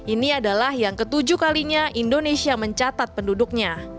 ini adalah yang ketujuh kalinya indonesia mencatat penduduknya